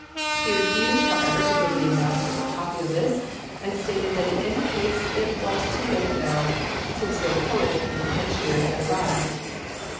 He refused, however, to give the Ambassador a copy of this, and stated that in any case it was too late now, since no Polish plenipotentiary had arrived.